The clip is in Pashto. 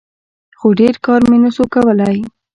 خو ډېر کار مې نسو کولاى.